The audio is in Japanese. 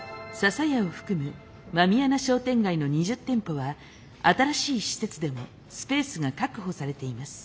笹屋を含む狸穴商店街の２０店舗は新しい施設でもスペースが確保されています。